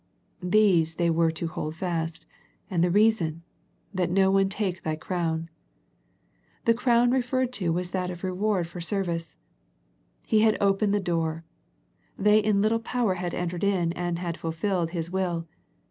These they were to hold fast, and the reason, "that no one take thy crown." The crown referred to was that of reward for serv ice. He had opened the door. They in little power had entered in and had fulfilled His will.